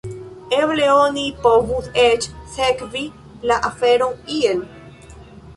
Eble oni povus eĉ sekvi la aferon iel.